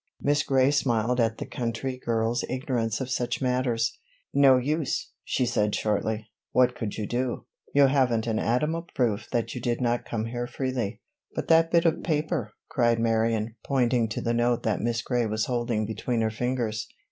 Miss Gray smiled at the country girl's ignorance of such matters. "No use," she said shortly. "What could you do? You haven't an atom of proof that you did not come here freely." "But that bit of paper?" cried Marion, pointing to the note that Miss Gray was holding between her fingers.